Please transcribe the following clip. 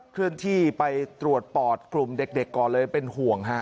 เคลื่อนที่ไปตรวจปอดกลุ่มเด็กก่อนเลยเป็นห่วงฮะ